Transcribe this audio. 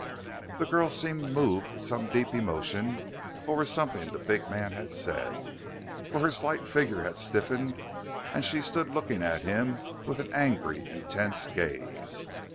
The girl seemed moved with some deep emotion over something the big man had said, for her slight figure had stiffened and she stood looking at him with an angry, intense gaze.